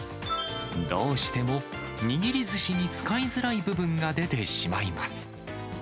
どうしても握りずしに使いづらい部分が出てしまいます。